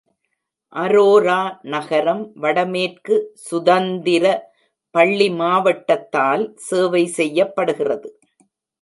அரோரா நகரம் வடமேற்கு சுதந்திர பள்ளி மாவட்டத்தால் சேவை செய்யப்படுகிறது.